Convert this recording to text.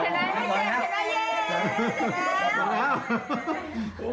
จับตอนแล้ว